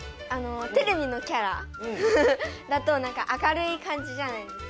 テレビのキャラ？だと明るい感じじゃないですか。